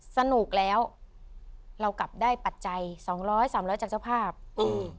สนุกแล้วเรากลับได้ปัจจัยสองร้อยสามร้อยจากเจ้าภาพอืม